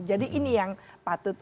jadi ini yang patut